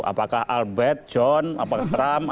apakah albert john apakah pak jokowi